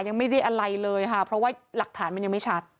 ยังไม่ได้อะไรเลยค่ะเพราะว่าหลักฐานมันยังไม่ชัด